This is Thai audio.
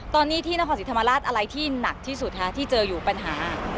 ตอนนี้ที่นครศรีธรรมราชอะไรที่หนักที่สุดคะที่เจออยู่ปัญหา